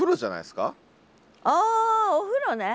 あお風呂ね。